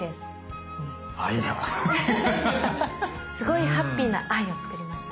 すごいハッピ−な「Ｉ」を作りました。